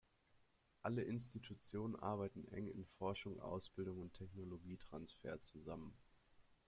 Alle Institutionen arbeiten eng in Forschung, Ausbildung und Technologietransfer zusammen.